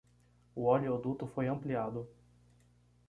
O oleoduto foi ampliado